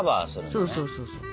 そうそうそうそう。